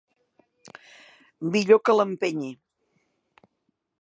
Millor que l'empenyi!